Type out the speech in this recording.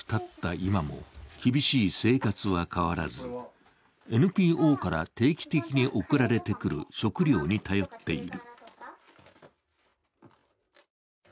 今も、厳しい生活は変わらずＮＰＯから定期的に送られてくる食料に頼っている。